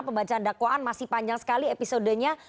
pembacaan dakwaan masih panjang sekali episodenya